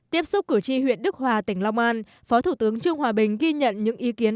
tiếp xúc cử tri huyện đức hòa tỉnh long an phó thủ tướng trương hòa bình ghi nhận những ý kiến